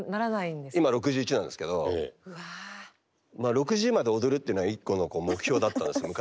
６０まで踊るっていうのが１個の目標だったんです昔。